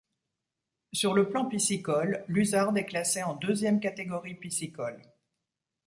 Sur le plan piscicole, l'Huzarde est classé en deuxième catégorie piscicole.